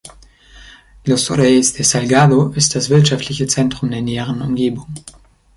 Los Reyes de Salgado ist das wirtschaftliche Zentrum der näheren Umgebung.